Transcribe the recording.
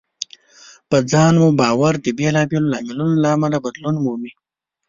په ځان مو باور د بېلابېلو لاملونو له امله بدلون مومي.